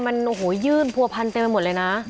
มันโอ้โหยื่นผัวพันเต็มไปหมดเลยนะ